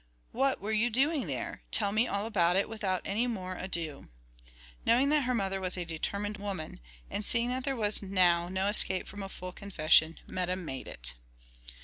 "What were you doing there? tell me all about it without any more ado." Knowing that her mother was a determined woman, and seeing that there was now no escape from a full confession, Meta made it.